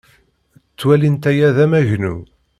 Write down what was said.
Ttwalint aya d amagnu.